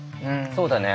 そうだね。